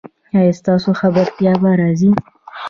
ایا ستاسو خبرتیا به راځي؟